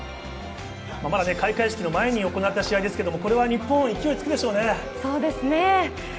まだ開会式の前に行われた試合ですが、日本も勢いがつくでしょうね。